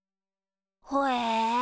ほえ。